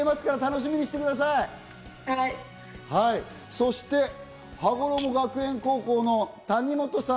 そして羽衣学園高校の谷本さん。